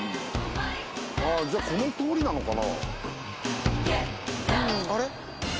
じゃあこの通りなのかな？